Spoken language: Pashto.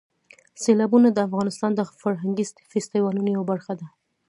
سیلابونه د افغانستان د فرهنګي فستیوالونو یوه برخه ده.